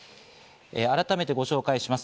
改めてご紹介します。